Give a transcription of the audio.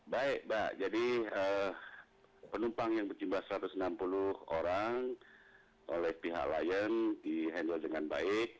baik mbak jadi penumpang yang berjumlah satu ratus enam puluh orang oleh pihak lion di handle dengan baik